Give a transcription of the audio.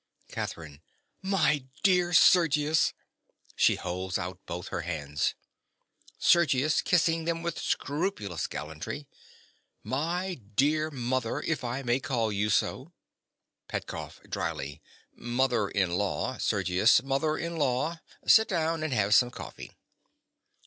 CATHERINE. My dear Sergius!(She holds out both her hands.) SERGIUS. (kissing them with scrupulous gallantry). My dear mother, if I may call you so. PETKOFF. (drily). Mother in law, Sergius; mother in law! Sit down, and have some coffee.